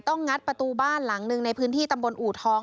งัดประตูบ้านหลังหนึ่งในพื้นที่ตำบลอูทอง